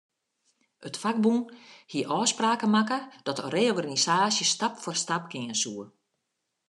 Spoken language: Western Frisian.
It fakbûn hie ôfspraken makke dat de reorganisaasje stap foar stap gean soe.